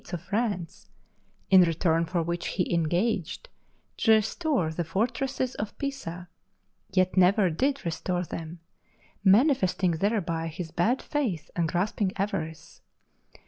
of France, in return for which he engaged to restore the fortresses of Pisa, yet never did restore them, manifesting thereby his bad faith and grasping avarice.